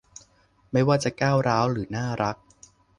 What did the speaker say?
ไม่ว่าจะก้าวร้าวหรือน่ารัก